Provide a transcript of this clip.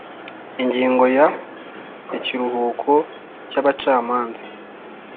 Ingingo ya Ikiruhuko cy abacamanza